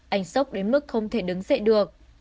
anh sốc đến mức không thể đứng dậy được